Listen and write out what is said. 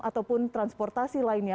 ataupun transportasi lainnya